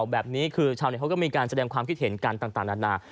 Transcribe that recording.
แบบนี้คือชาวเน็ตเขาก็มีการแสดงความคิดเห็นกันต่างนานา